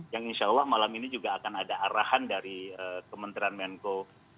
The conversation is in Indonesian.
yang insya allah malam ini juga akan ada arahan dari kementerian menko